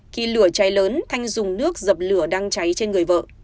khi lửa cháy lớn thanh dùng nước dập lửa đang cháy trên người vợ